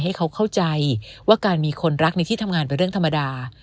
ให้เขาเข้าใจว่าการมีคนรักในที่ทำงานเป็นเรื่องธรรมดา